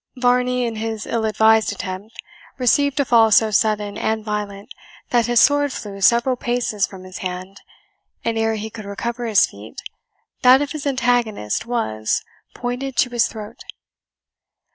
Varney, in his ill advised attempt, received a fall so sudden and violent that his sword flew several paces from his hand and ere he could recover his feet, that of his antagonist was; pointed to his throat.